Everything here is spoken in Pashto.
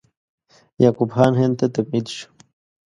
یعقوب خان هند ته تبعید شو.